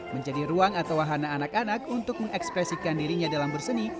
menjadi ruang atau wahana anak anak untuk mengekspresikan dirinya dalam berseni